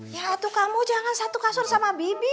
ya itu kamu jangan satu kasur sama bibi